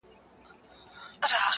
دلته بله محکمه وي فیصلې وي,